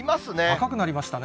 高くなりましたね。